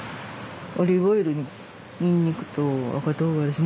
オリーブオイルににんにくと赤とうがらし